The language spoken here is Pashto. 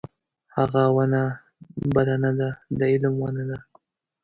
هغه ونه بله نه ده د علم ونه ده.